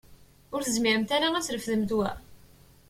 Ur tezmiremt ara ad trefdemt wa?